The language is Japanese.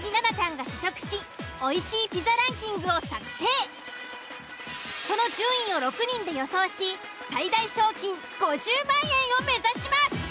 出来たピザをその順位を６人で予想し最大賞金５０万円を目指します。